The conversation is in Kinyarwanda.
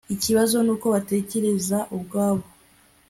ikibazo nuko batekereza ubwabo